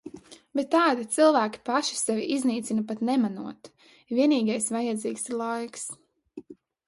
Bet tādi cilvēki paši sevi iznīcina pat nemanot, vienīgais vajadzīgs ir laiks.